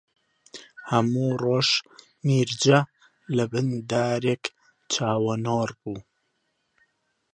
هەموو ڕۆژ میرجە لەبن دارێک چاوەنۆڕ بوو